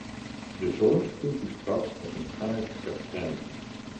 De zorg kunt u straks met een kaart verkrijgen.